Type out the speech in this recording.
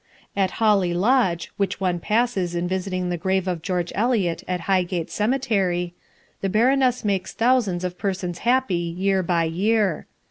At Holly Lodge, which one passes in visiting the grave of George Eliot at Highgate Cemetery, the Baroness makes thousands of persons happy year by year.